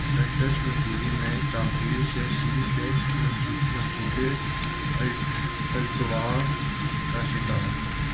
funds منظوری میں تاخیر سے سی پیک منصوبے التوا کا شکار